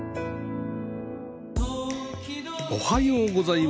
おはようございます。